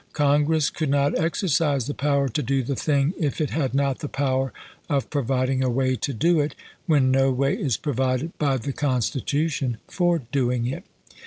Congress could not exercise the power to do the thing if it had not the power of providing a way to do it, when no way is provided by the Constitution for doing it.